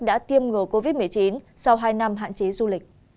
đã tiêm ngừa covid một mươi chín sau hai năm hạn chế du lịch